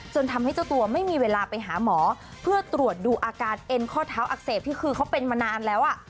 จนทำให้เจ้าตัวไม่มีเวลาไปหาหมอเพื่อตรวจดูอาการเอ็นข้อเท้าอักเสบที่คือเขาเป็นมานานแล้ว